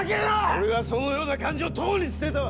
俺は、そのような感情とうに捨てたわ！